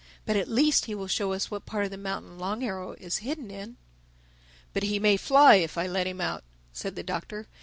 But at least he will show us what part of the mountain Long Arrow is hidden in." "But he may fly, if I let him out," said the Doctor.